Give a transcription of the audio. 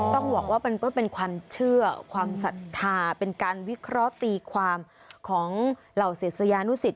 ต้องบอกว่าเป็นความเชื่อความศรัทธาเป็นการวิเคราะห์ตีความของเหล่าศิษยานุสิต